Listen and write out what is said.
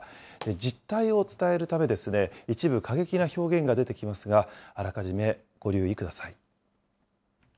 実態を伝えるため、一部、過激な表現が出てきますが、あらかじめご留意ください。